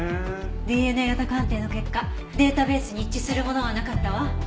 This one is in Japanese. ＤＮＡ型鑑定の結果データベースに一致するものはなかったわ。